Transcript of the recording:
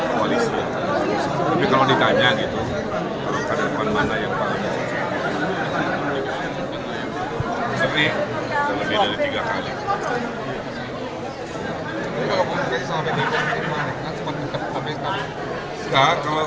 lebih dari tiga kali